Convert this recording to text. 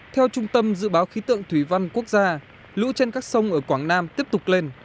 theo trung tâm dự báo khí tượng thủy văn quốc gia lũ trên các sông ở quảng nam tiếp tục lên